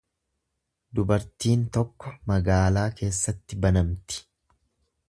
Dubartiin tokko magaalaa keessatti banamti.